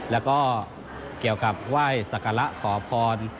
แล้วก็เกี่ยวกับว่าให้ศักระขอพร